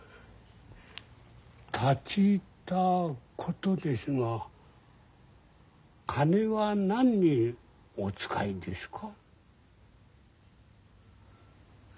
立ち入ったことですが金は何にお遣いですか？